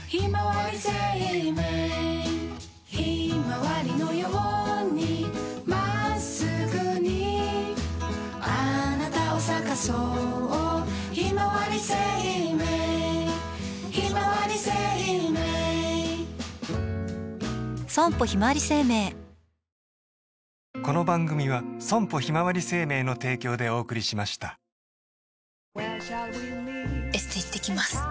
生命ひまわりのようにまっすぐにあなたを咲かそうひまわり生命ひまわり生命エステ行ってきます。